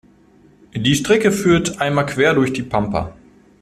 Die Strecke führt einmal quer durch die Pampa.